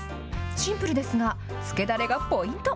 シンプルですが、つけだれがポイント。